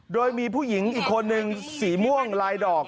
โดยมีผู้หญิงอีกคนนึงสีม่วงลายดอก